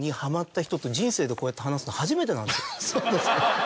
そうですか。